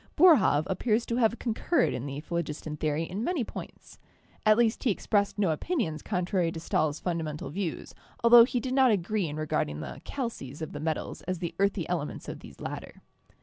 Boerhaave appears to have concurred in the phlogiston theory in many points. At least he expressed no opinions contrary to Stahl's fundamental views, altho he did not agree in regarding the 'calces' of the metals as the earthy elements of these latter.